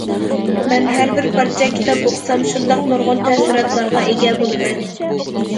مەن ھەر بىر پارچە كىتاب ئوقۇسام شۇنداق نۇرغۇن تەسىراتلارغا ئىگە بولىمەن.